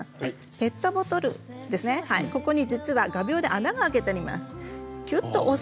ペットボトルに画びょうで穴が開けてあります。